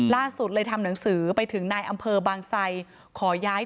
ล่าสุดเลยทำหนังสือไปถึงในอำเภอบางไซค์